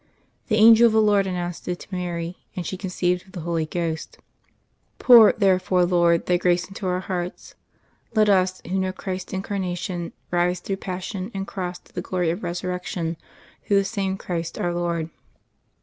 _ The Angel of the Lord announced it to Mary, and she conceived of the Holy Ghost.... _Pour, therefore, Lord, Thy grace into our hearts. Let us, who know Christ's incarnation, rise through passion and cross to the glory of Resurrection through the same Christ our Lord.